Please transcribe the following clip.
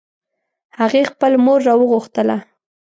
هغې خپل مور راوغوښتله